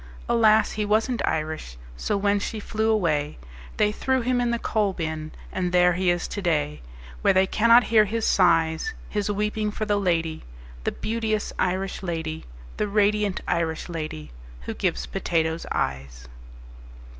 Alas, he wasn't Irish. So when she flew away, They threw him in the coal bin And there he is to day, Where they cannot hear his sighs His weeping for the lady, The beauteous Irish lady, The radiant Irish lady Who gives potatoes eyes."